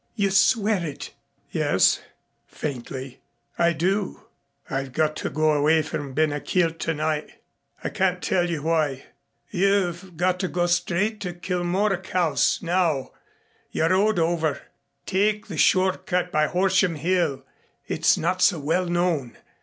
"You swear it?" "Yes," faintly, "I do." "I've got to go away from Ben a Chielt tonight. I can't tell you why. You've got to go straight to Kilmorack House now. You rode over. Take the short cut by Horsham Hill. It's not so well known.